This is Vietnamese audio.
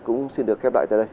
cũng xin được khép lại tại đây